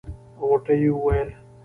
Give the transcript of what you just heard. غوټۍ وويل.